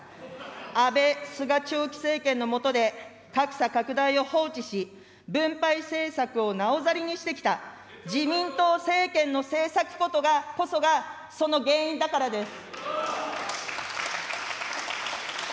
安倍、菅長期政権の下で、格差拡大を放置し、分配政策をなおざりにしてきた、自民党政権の政策こそが、その原因だからです。